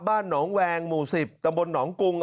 บ้านหนองแวงหมู่๑๐ตำบลหนองกุง